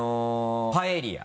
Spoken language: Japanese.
パエリア。